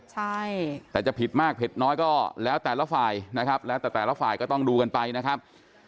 ใช่แต่จะผิดมากผิดน้อยก็แล้วแต่ละฝ่ายนะครับแล้วแต่แต่ละฝ่ายก็ต้องดูกันไปนะครับ